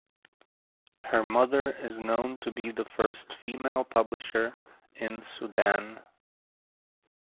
Her mother is known to be the first female publisher in Sudan.